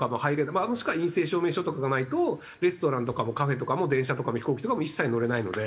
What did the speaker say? まあもしくは陰性証明書とかがないとレストランとかもカフェとかも電車とかも飛行機とかも一切乗れないので。